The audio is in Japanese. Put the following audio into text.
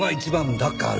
だから。